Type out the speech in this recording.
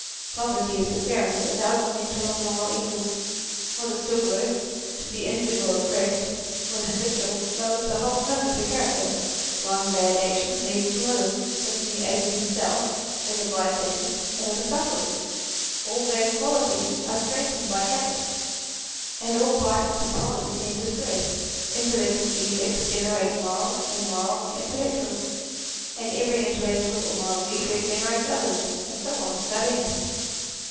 Poverty is the parent of a thousand mental and moral evils. What is still worse, to be injured or oppressed, when habitual, lowers the whole tone of the character. One bad action leads to others, both in the agent himself, in the bystanders, and in the sufferers. All bad qualities are strengthened by habit, and all vices and follies tend to spread. Intellectual defects generate moral, and moral, intellectual; and every intellectual or moral defect generates others, and so on without end.